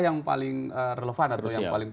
yang paling relevan atau yang paling